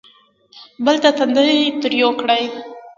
بل ته تندی تریو کړي.